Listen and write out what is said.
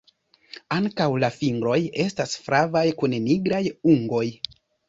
Ankaŭ la fingroj estas flavaj kun nigraj ungoj.